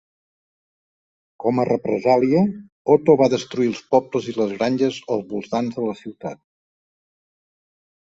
Com a represàlia, Otto va destruir els pobles i les granges als voltants de la ciutat.